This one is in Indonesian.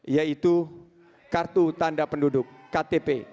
yaitu kartu tanda penduduk ktp